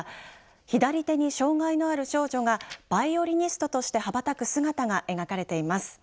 左手に障害のある少女がバイオリニストとして羽ばたく姿が描かれています。